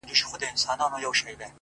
o پښتنه ده آخير؛